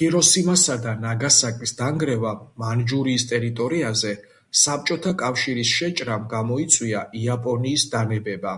ჰიროსიმასა და ნაგასაკის დანგრევამ, მანჯურიის ტერიტორიაზე საბჭოთა კავშირის შეჭრამ გამოიწვია იაპონიის დანებება.